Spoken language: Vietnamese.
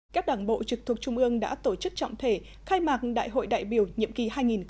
các đảng bộ trực thuộc trung ương đã tổ chức trọng thể khai mạc đại hội đại biểu nhiệm kỳ hai nghìn hai mươi hai nghìn hai mươi năm